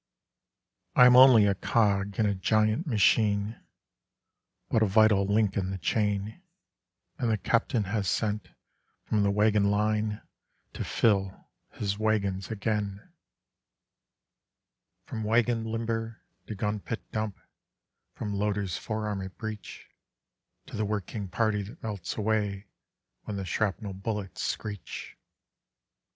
I am only a cog in a giant machine, but a vital link in the chain; And the Captain has sent from the wagon line to fill his wagons again; From wagon limber to gunpit dump; from loader's forearm at breech To the working party that melts away when the shrapnel _bullets screech.